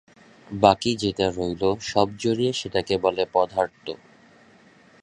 বাকি যেটা রইল সব-জড়িয়ে সেটাকে বলে পদার্থ।